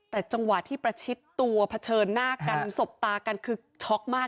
แต่จังหวะที่ประชิดตัวเผชิญหน้ากันสบตากันคือช็อกมาก